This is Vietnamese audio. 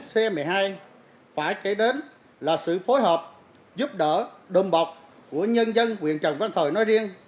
c một mươi hai phải kể đến là sự phối hợp giúp đỡ đùm bọc của nhân dân quyền trần văn thời nói riêng